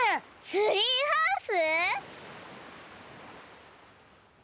ツリーハウス！？